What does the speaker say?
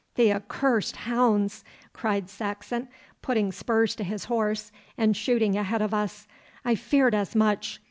'The accursed hounds!' cried Saxon, putting spurs to his horse and shooting ahead of us; 'I feared as much.